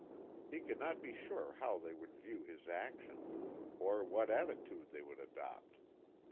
He could not be sure how they would view his action, or what attitude they would adopt.